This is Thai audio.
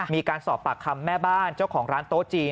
มีการสอบปากคำแม่บ้านเจ้าของร้านโต๊ะจีน